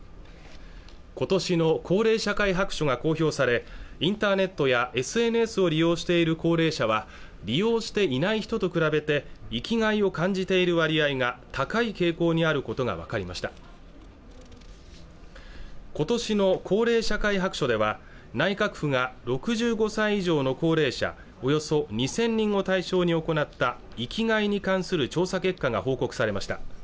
ことしの高齢社会白書が公表されインターネットやＳＮＳを利用している高齢者は利用していない人と比べて生きがいを感じている割合が高い傾向にあることが分かりましたことしの高齢社会白書では内閣府が６５歳以上の高齢者およそ２０００人を対象に行なった生きがいに関する調査結果が報告されました